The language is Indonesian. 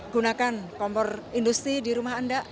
gunakan kompor industri di rumah anda